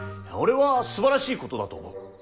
俺はすばらしいことだと思う。